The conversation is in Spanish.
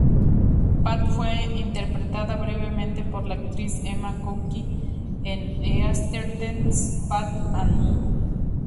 Pat fue interpretada brevemente por la actriz Emma Cooke en "EastEnders: Pat and Mo".